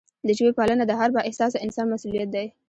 د ژبې پالنه د هر با احساسه انسان مسؤلیت دی.